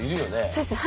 そうですね。